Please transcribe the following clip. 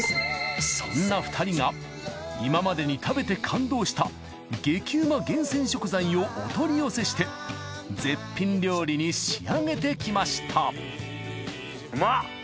そんな２人が今までに食べて感動した激ウマ厳選食材をお取り寄せして絶品料理に仕上げてきましたうまっ。